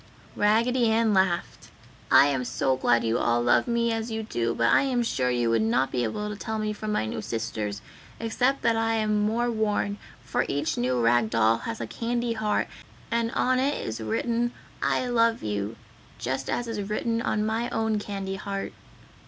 Raggedy Ann laughed, "I am so glad you all love me as you do, but I am sure you would not be able to tell me from my new sisters, except that I am more worn, for each new rag doll has a candy heart, and on it is written, 'I love you' just as is written on my own candy heart."